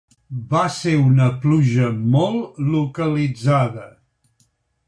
Va ser una pluja molt localitzada.